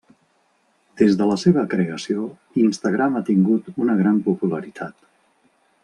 Des de la seva creació, Instagram ha tingut una gran popularitat.